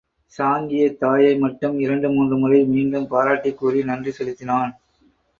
சாங்கியத் தாயை மட்டும் இரண்டு மூன்று முறை மீண்டும் பாராட்டுக் கூறி நன்றி செலுத்தினான்.